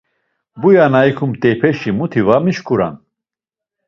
Buya na ikumt̆eypeşi muti var mişǩunan.